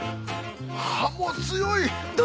歯も強い！